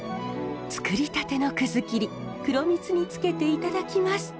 つくりたてのくず切り黒蜜につけていただきます。